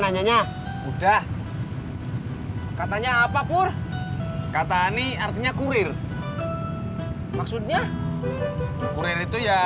udah nanya udah katanya apa pur kata ani artinya kurir maksudnya kurir itu ya